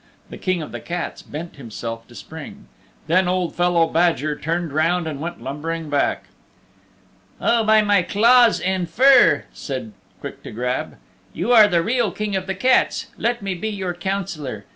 The King of the Cats bent himself to spring. Then Old fellow Badger turned round and went lumbering back. "Oh, by my claws and fur," said Quick to Grab, "you are the real King of the Cats. Let me be your Councillor.